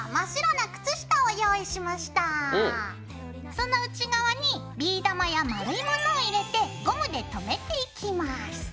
その内側にビー玉や丸いものを入れてゴムでとめていきます。